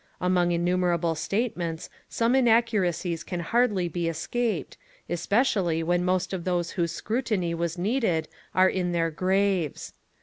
Among innumerable statements some inac curacies can hardly be escaped, especially when most of those whose scrutiny was needed are in their graves.